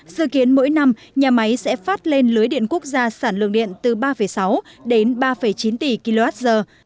dự kiến mỗi năm nhà máy sẽ phát lên lưới điện quốc gia sản lượng điện từ ba sáu đến ba chín tỷ kwh